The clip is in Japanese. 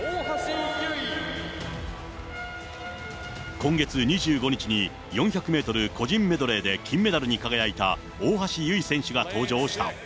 今月２５日に、４００メートル個人メドレーで金メダルに輝いた大橋悠依選手が登場した。